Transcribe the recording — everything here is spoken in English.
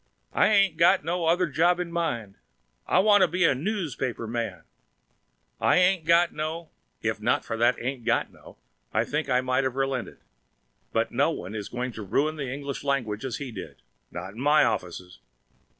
"I ain't got no other job in mind. I wanna be a noospaper man. I ain't got no " If not for that "ain't got no," I think I might have relented. But no one is going to ruin the English language as he did! Not in my offices!